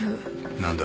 何だ？